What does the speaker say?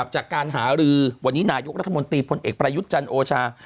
จากการหารือวันนี้นายกรัฐมนตรีพลเอกประยุทธ์จันทร์โอชา